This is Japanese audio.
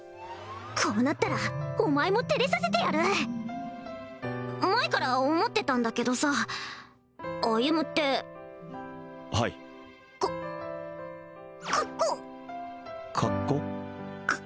こうなったらお前も照れさせてやる前から思ってたんだけどさ歩ってはいかかっこかっこ？